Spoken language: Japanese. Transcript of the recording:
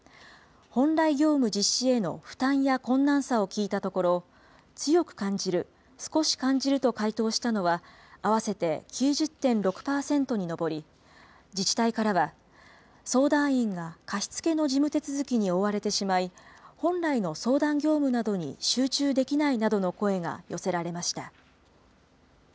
本来業務実施への負担や困難さを聞いたところ、強く感じる、少し感じると回答したのは、合わせて９０．６％に上り、自治体からは、相談員が貸し付けの事務手続きに追われてしまい、本来の相談業務などに集中できないなどの声が寄せられました。